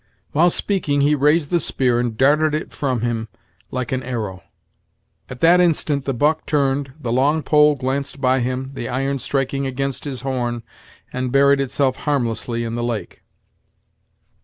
While speaking he raised the spear, and darted it front him like an arrow. At that instant the buck turned, the long pole glanced by him, the iron striking against his horn, and buried itself harmlessly in the lake.